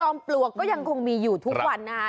ปลวกก็ยังคงมีอยู่ทุกวันนะคะ